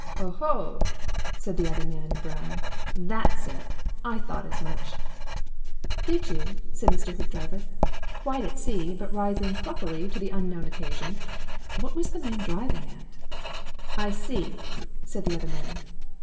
"Oh o!" said the other man in brown. "THAT'S it! I thought as much." "Did you?" said Mr. Hoopdriver, quite at sea, but rising pluckily to the unknown occasion. What was the man driving at? "I see," said the other man.